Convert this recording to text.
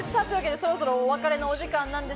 そろそろお別れの時間です。